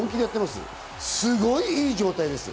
すごい、いい状態です。